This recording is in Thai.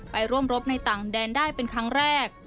ไปร่วมรบในต่างแดนได้เป็นครั้งแรก